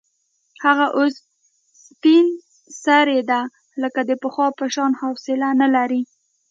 هغه اوس سپین سرې ده، لکه د پخوا په شان حوصله نه لري.